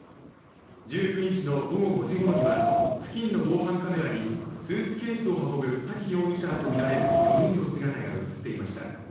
１９日の午後５時ごろには付近の防犯カメラにスーツケースを運ぶ沙喜容疑者らと見られる４人の姿が映っていました